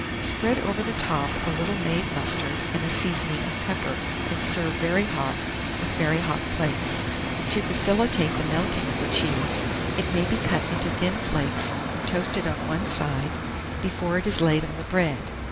Spread over the top a little made mustard and a seasoning of pepper, and serve very hot, with very hot plates. To facilitate the melting of the cheese, it may be cut into thin flakes or toasted on one side before it is laid on the bread.